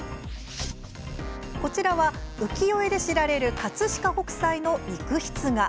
こちらは、浮世絵で知られる葛飾北斎の肉筆画。